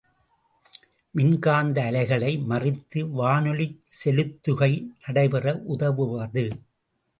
மின் காந்த அலைகளை மறித்து வானொலிச் செலுத்துகை நடைபெற உதவுவது.